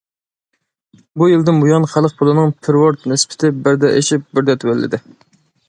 بۇ يىلدىن بۇيان، خەلق پۇلىنىڭ پېرېۋوت نىسبىتى بىردە ئېشىپ، بىردە تۆۋەنلىدى.